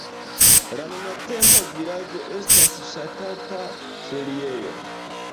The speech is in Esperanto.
La nuntempa vilaĝo estas ŝatata feriejo.